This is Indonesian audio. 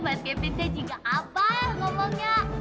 mas kevin tuh juga abah ngomongnya